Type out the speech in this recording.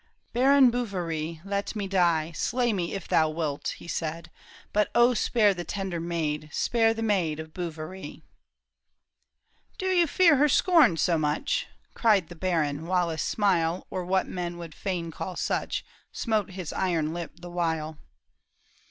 " Baron Bouverie, let me die ; Slay me if thou wilt," he said ;" But O spare the tender maid, Spare the maid of Bouverie." " Do you fear her scorn so much ?" Cried the baron, while a smile, Or what men would fain call such, Smote his iron lip the while.